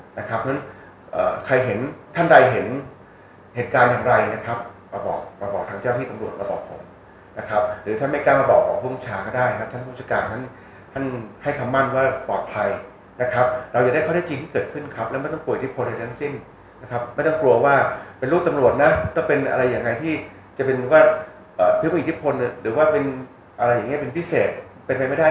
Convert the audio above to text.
เพราะฉะนั้นใครเห็นท่านใดเห็นเหตุการณ์อะไรนะครับมาบอกทางเจ้าที่ตำรวจมาบอกผมนะครับหรือถ้าไม่กล้ามาบอกบอกผู้มูชาก็ได้ครับท่านผู้มูชการท่านให้คำมั่นว่าปลอดภัยนะครับเราอยากได้เข้าได้จริงที่เกิดขึ้นครับแล้วไม่ต้องกลัวอิทธิพลใดด้านสิ้นนะครับไม่ต้องกลัวว่าเป็นลูกตำรวจนะก็เป็นอะไรยังไงที่